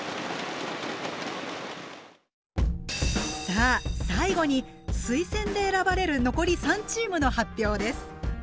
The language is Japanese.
さあ最後に推薦で選ばれる残り３チームの発表です。